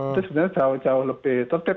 itu sebenarnya jauh jauh lebih tertib